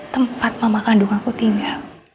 tempat mama kandung aku tinggal